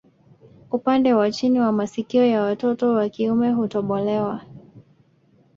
Upande wa chini wa masikio ya watoto wa kiume hutobolewa